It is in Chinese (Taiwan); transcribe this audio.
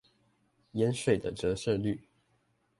鹽水的折射率